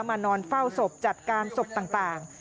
มานอนเฝ้าสบจัดการสบต่าง